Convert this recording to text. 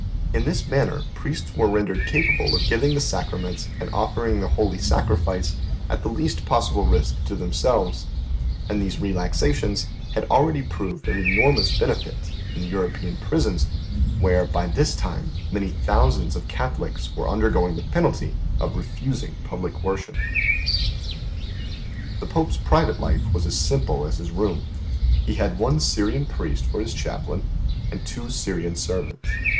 In this manner priests were rendered capable of giving the sacraments and offering the holy sacrifice at the least possible risk to themselves; and these relaxations had already proved of enormous benefit in the European prisons, where by this time many thousands of Catholics were undergoing the penalty of refusing public worship. The Pope's private life was as simple as His room. He had one Syrian priest for His chaplain, and two Syrian servants.